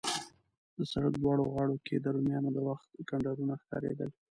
د سړک دواړو غاړو کې د رومیانو د وخت کنډرونه ښکارېدل.